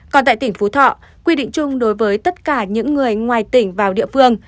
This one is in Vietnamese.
còn tại tỉnh phú thọ quy định chung đối với tất cả những người ngoài tỉnh vào địa phương